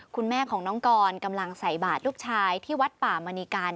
คุณแม่ของน้องกรกำลังใส่บาทลูกชายที่วัดป่ามณีการ